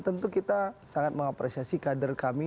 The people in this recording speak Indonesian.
tentu kita sangat mengapresiasi kader kami